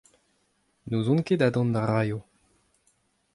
N'ouzon ket ha dont a raio.